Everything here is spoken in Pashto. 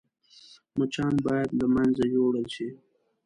مچان باید له منځه يوړل شي